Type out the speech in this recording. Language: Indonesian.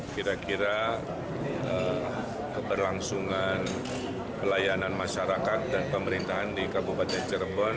kira kira keberlangsungan pelayanan masyarakat dan pemerintahan di kabupaten cirebon